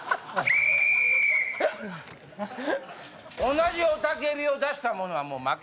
同じ雄たけびを出した者は負け。